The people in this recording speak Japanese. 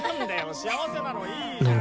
幸せなのいいじゃん。